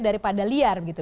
daripada liar gitu